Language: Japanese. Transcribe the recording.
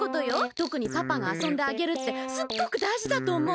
とくにパパがあそんであげるってすっごくだいじだとおもう。